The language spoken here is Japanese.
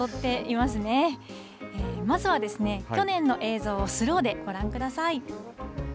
まずは去年の映像をスローでご覧ください。